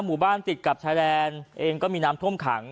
หมู่บ้านติดกับชายแดนเองก็มีน้ำท่วมขัง